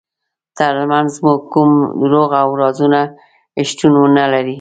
ترمنځ مو کوم دروغ او رازونه شتون ونلري.